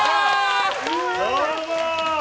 どうも！